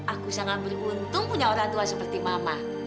aku sangat beruntung punya orang tua seperti mama